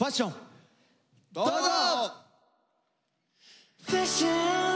どうぞ！